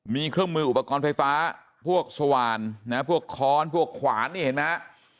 มีเครื่องมืออุปกรณ์ไฟฟ้าพวกสว่านนะพวกค้อนพวกขวานนี่เห็นไหมฮะ